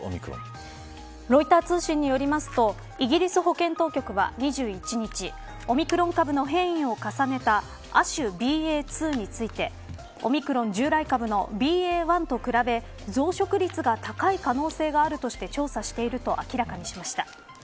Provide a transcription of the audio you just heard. ロイター通信によりますとイギリス保健当局は２１日オミクロン株の変異を重ねた亜種ＢＡ．２についてオミクロン従来株のＢＡ．１と比べ増殖率が高い可能性があるとして調査していると明らかにしました。